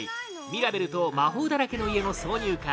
「ミラベルと魔法だらけの家」の挿入歌